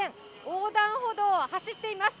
横断歩道を走っています。